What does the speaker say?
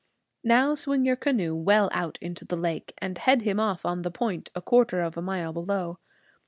Now swing your canoe well out into the lake, and head him off on the point, a quarter of a mile below.